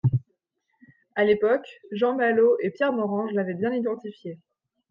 À l’époque, Jean Mallot et Pierre Morange l’avaient bien identifié.